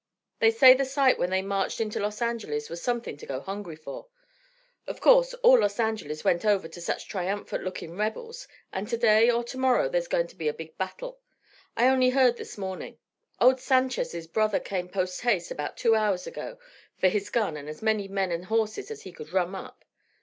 They say the sight when they marched into Los Angeles was somethin' to go hungry for. Of course all Los Angeles went over to such triumphant lookin' rebels, and to day or to morrow there's goin' to be a big battle. I only heard this mornin'. Old Sanchez' brother come post haste about two hours ago fur his gun and as many men and horses as he could drum up.